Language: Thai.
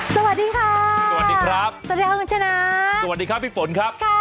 สวัสดีค่ะสวัสดีครับสวัสดีครับคุณชนะสวัสดีครับพี่ฝนครับ